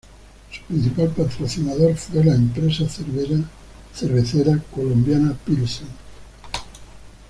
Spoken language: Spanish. Su principal patrocinador fue la empresa cervecera colombiana Pilsen.